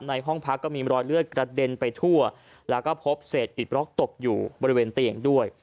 ห้องพักก็มีรอยเลือดกระเด็นไปทั่วแล้วก็พบเศษอิดบล็อกตกอยู่บริเวณเตียงด้วย